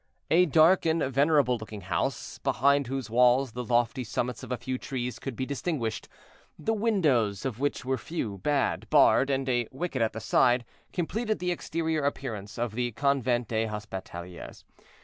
A dark and venerable looking house, behind whose walls the lofty summits of a few trees could be distinguished, the windows of which were few, bad, barred, and a wicket at the side, completed the exterior appearance of the Convent des Hospitalières.